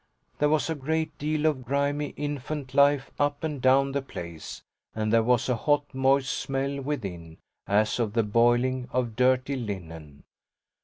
There was a great deal of grimy infant life up and down the place, and there was a hot moist smell within, as of the "boiling" of dirty linen.